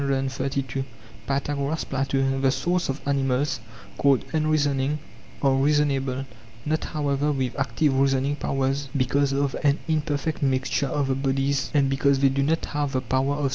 Pythagoras, Plato: The souls of animals called unreasoning are reasonable, not however with active reasoning powers, because of an imperfect mixture of the bodies and because they do not have the power of ' Cf.